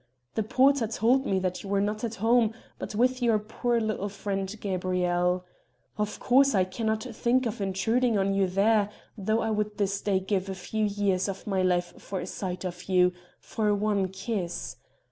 The porter told me that you were not at home but with your poor little friend Gabrielle. Of course I cannot think of intruding on you there, though I would this day give a few years of my life for a sight of you for one kiss.